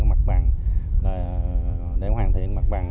mặt bằng để hoàn thiện mặt bằng